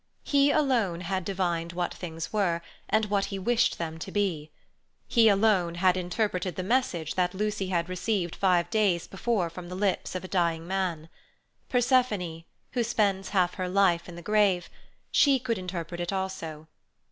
He alone had divined what things were, and what he wished them to be. He alone had interpreted the message that Lucy had received five days before from the lips of a dying man. Persephone, who spends half her life in the grave—she could interpret it also.